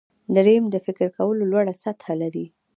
دریم د فکر کولو لوړه سطحه لري.